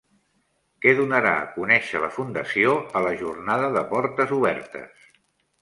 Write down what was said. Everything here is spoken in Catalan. Què donarà a conèixer la fundació a la jornada de portes obertes?